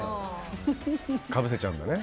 かぶせちゃうんだね。